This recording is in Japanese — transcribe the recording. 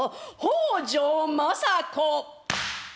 北条政子。